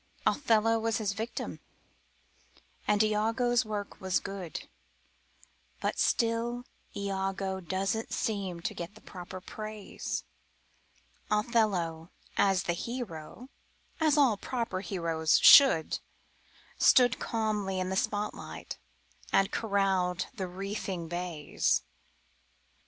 Othello was his victim and Iago's work was good, But still Iago doesn't seem to get the proper praise; Othello, as the hero as all proper heroes should Stood calmly in the spotlight and corralled the wreathing bays.